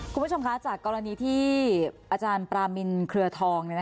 คุณผู้ชมคะจากกรณีที่อาจารย์ปรามินเครือทอง